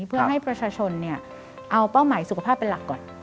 เพื่อให้ประชาชนเอาเป้าหมายสุขภาพเป็นหลักก่อน